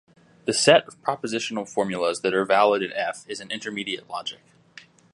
The set of propositional formulas that are valid in "F" is an intermediate logic.